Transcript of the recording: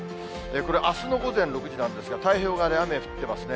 これ、あすの午前６時なんですが、太平洋側で雨降ってますね。